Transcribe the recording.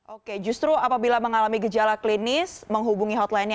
oke justru apabila mengalami gejala klinis menghubungi hotline nya